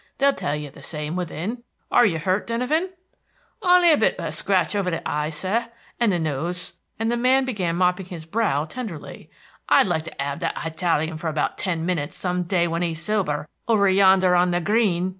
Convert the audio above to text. They'll tell you the same within." "Are you hurt, Denyven?" "Only a bit of a scratch over the heye, sir, and the nose," and the man began mopping his brow tenderly. "I'd like to 'ave that Hitalian for about ten minutes, some day when he's sober, over yonder on the green."